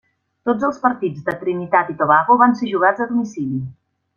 Tots els partits de Trinitat i Tobago van ser jugats a domicili.